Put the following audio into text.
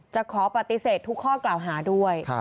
จะขอปฏิเสธทุกข้อกล่าวหาด้วย